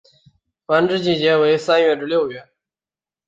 繁殖季节为三月至六月。